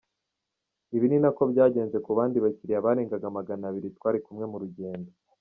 Ibi ni nako byagenze ku bandi bakiriya barenga magana abiri twari kumwe mu rugendo.